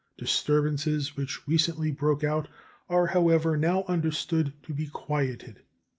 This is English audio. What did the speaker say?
Disturbances which recently broke out are, however, now understood to be quieted.